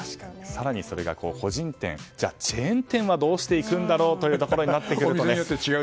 更に、それが個人店、チェーン店はどうしていくんだろうとなってくると。